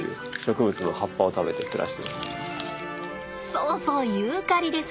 そうそうユーカリです。